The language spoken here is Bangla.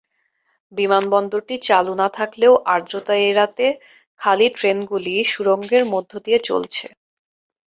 বিমানবন্দরটি চালু না থাকলেও আর্দ্রতা এড়াতে খালি ট্রেনগুলি সুড়ঙ্গের মধ্য দিয়ে চলছে।